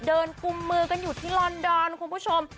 กุมมือกันอยู่ที่ลอนดอนคุณผู้ชม